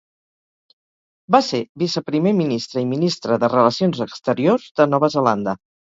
Va ser Viceprimer Ministre i Ministre de Relacions Exteriors de Nova Zelanda.